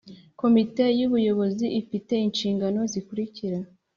komite y ubuyobozi ifite inshingano zikurikira